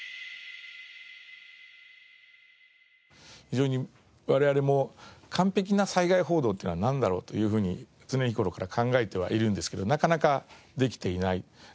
非常に我々も「完璧な災害報道っていうのはなんだろう？」というふうに常日頃から考えてはいるんですけどなかなかできていない。